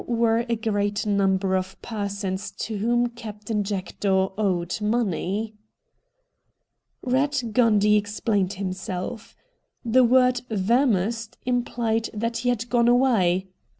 p 2IO RED DIAMONDS a great number of persons to whom Captain Jackdaw owed money. Eatt Gundy explained himself. The word ' vamosed ' implied that he had gone away.